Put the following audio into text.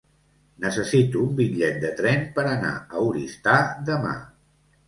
Necessito un bitllet de tren per anar a Oristà demà.